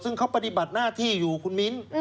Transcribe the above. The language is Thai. ซึ่งเขาปฏิบัติหน้าที่อยู่คุณมิ้น